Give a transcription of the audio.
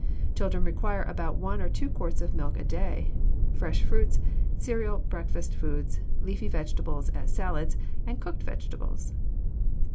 Children require about one or two quarts of milk a day, fresh fruits, cereal breakfast foods, leafy vegetables as salads, and cooked vegetables.